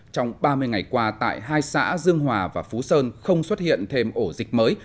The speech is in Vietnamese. trong ba mươi ngày qua tại hai xã dương hòa và phú sơn không xuất hiện thêm ổ dịch mới